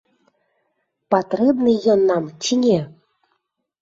Патрэбны ён нам ці не?